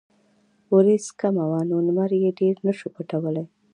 وريځ کمه وه نو نمر يې ډېر نۀ شو پټولے ـ